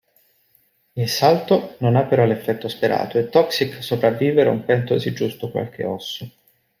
Il salto non ha però l'effetto sperato e Toxic sopravvive rompendosi giusto qualche osso.